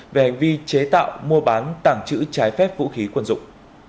về hành vi chế tạo mua bán tàng trữ trái phép vũ khí quân dụng